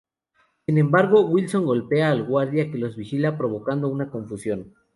Sin embargo, Wilson golpea al guardia que los vigila provocando una confusión.